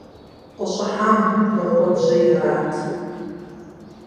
КъыщӀыхьам гуп махуэбжьэ ират.